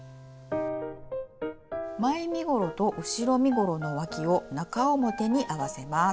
前身ごろと後ろ身ごろのわきを中表に合わせます。